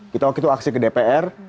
kita waktu itu aksi ke dpr